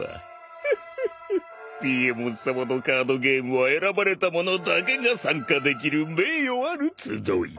ピエモンさまのカードゲームは選ばれた者だけが参加できる名誉ある集い。